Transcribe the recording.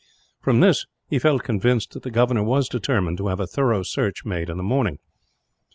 From this he felt convinced that the governor was determined to have a thorough search made in the morning.